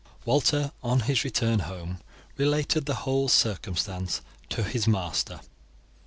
Walter on his return home related the whole circumstance to his master.